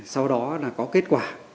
sau đó là có kết quả